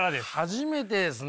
初めてですね。